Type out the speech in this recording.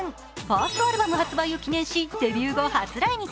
ファーストアルバム発売を記念しデビュー後初来日。